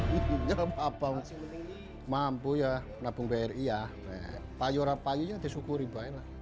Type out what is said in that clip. jit terpilih menjalankan tugas sebagai manajer unit usaha